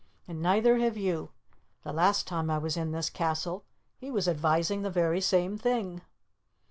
And neither have you. The last time I was in this castle he was advising the very same thing."